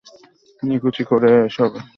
নিকুচি করি এসবের!